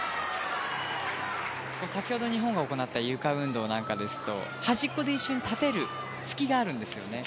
先ほど日本が行ったゆか運動ですと端っこで一瞬、立てる隙があるんですね。